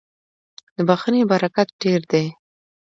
• د بښنې برکت ډېر دی.